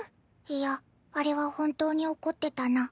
いやあれは本当に怒ってたな。